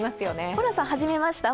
ホランさん、始めました？